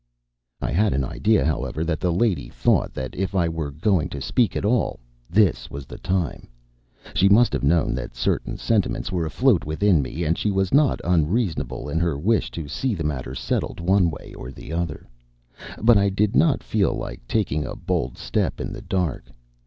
I had an idea, however, that the lady thought that, if I were going to speak at all, this was the time. She must have known that certain sentiments were afloat within me, and she was not unreasonable in her wish to see the matter settled one way or the other. But I did not feel like taking a bold step in the dark.